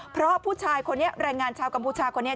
เพราะผู้ชายคนนี้แรงงานชาวกัมพูชาคนนี้